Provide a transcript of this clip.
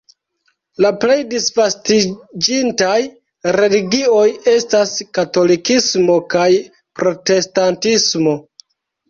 La plej disvastiĝintaj religioj estas katolikismo kaj protestantismo.